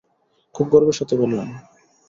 খুব গর্বের সাথে বললেন।